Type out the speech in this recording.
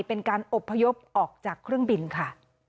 เป็นการอบพยพออกจากเครื่องบินค่ะ